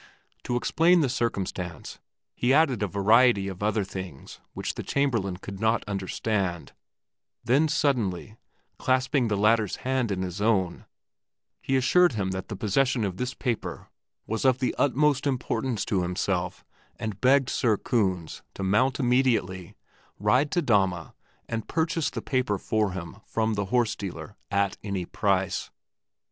To explain the circumstance, he added a variety of other things which the Chamberlain could not understand, then suddenly, clasping the latter's hand in his own, he assured him that the possession of this paper was of the utmost importance to himself and begged Sir Kunz to mount immediately, ride to Dahme, and purchase the paper for him from the horse dealer at any price.